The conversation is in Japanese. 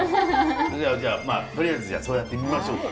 じゃあまあとりあえずそうやってみましょうか！